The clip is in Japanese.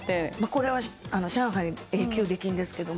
これは上海永久出禁ですけど。